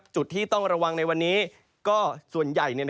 จุดที่ต้องระวังในวันนี้ก็ส่วนใหญ่